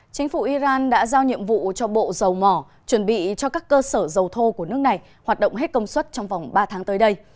chính phủ iran đã giao nhiệm vụ cho bộ dầu mỏ chuẩn bị cho các cơ sở dầu thô của nước này hoạt động hết công suất trong vòng ba tháng tới đây